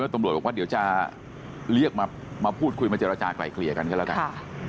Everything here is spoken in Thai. ตำรวจบอกว่าเดี๋ยวจะเรียกมาพูดคุยมาเจรจากลายเกลี่ยกันก็แล้วกัน